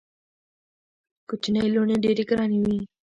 کوچنۍ لوڼي ډېري ګراني وي.